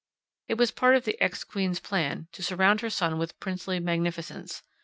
It was part of the Ex Queen's plan, to surround her son with princely magnificence.